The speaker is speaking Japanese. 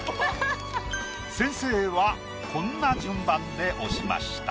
先生はこんな順番で押しました。